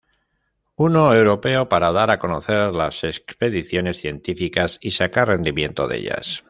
Uno europeo para dar a conocer las expediciones científicas y sacar rendimiento de ellas.